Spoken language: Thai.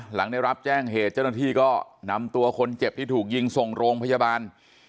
หลังได้รับแจ้งเหตุเจ้าหน้าที่ก็นำตัวคนเจ็บที่ถูกยิงส่งโรงพยาบาล